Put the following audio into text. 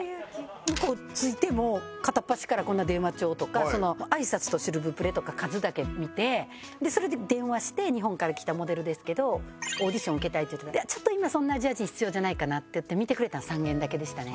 向こう着いて片っ端からこんな電話帳とか挨拶と「シルブプレ」とか数だけ見てそれで電話して「日本から来たモデルですけどオーディション受けたい」って言って「ちょっと今そんなアジア人必要じゃないかな」って言って見てくれたん３軒だけでしたね。